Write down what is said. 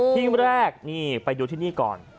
ที่แรกนี่ไปดูที่นี่ก่อน